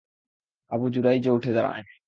আবু যুরাইযও উঠে দাঁড়ায়।